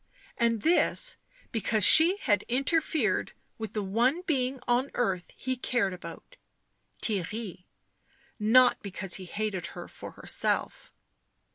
And this because she had interfered with the one being on earth he cared about — Theirry ; not because he hated her for herself.